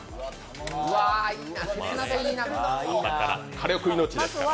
火力命ですから。